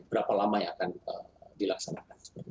berapa lama yang akan dilaksanakan